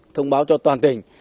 thông báo cho toàn tỉnh